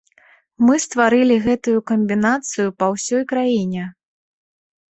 Мы стварылі гэтую камбінацыю па ўсёй краіне.